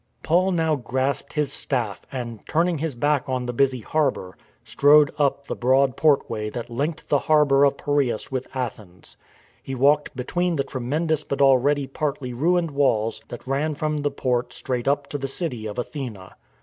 Paul now grasped his staff and, turning his back on the busy harbour, strode up the broad portway that linked the harbour of Pirseus with Athens. He walked between the tremendous but already partly ruined walls that ran from the port straight up to the city of Athene.